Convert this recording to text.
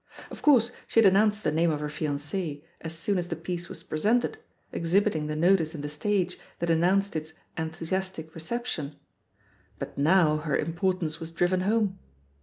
Of coiu*se, she had annoimced the name of her fiance as soon as the piece was presented, exhibiting the notice in The Stage that announced its '^enthusiastic reception,'* but now her importance was driven home.